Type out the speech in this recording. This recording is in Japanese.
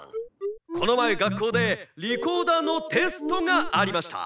このまえがっこうでリコーダーのテストがありました。